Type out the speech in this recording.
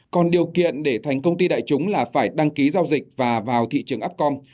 còn điều kiện để thành công ty đại chúng là phải đăng ký giao dịch và vào thị trường upcom